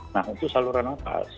nah itu saluran nafas